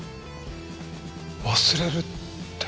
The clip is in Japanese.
忘れるって。